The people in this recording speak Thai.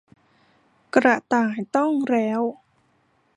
กระต่ายต้องแร้ว